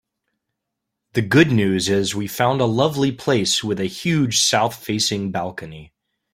The good news is we found a lovely place with a huge south-facing balcony.